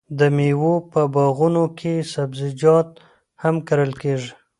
د میوو په باغونو کې سبزیجات هم کرل کیږي.